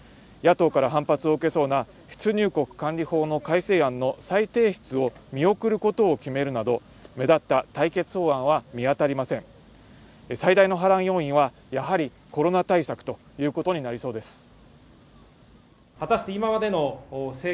野党から反発を受けそうな出入国管理法の改正案の再提出を見送ることを決めるなど目立った対決法案は見当たりません最大の波乱要因はやはりコロナ対策ということになりそうです